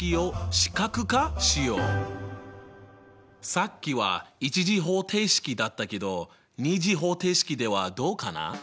さっきは１次方程式だったけど２次方程式ではどうかな？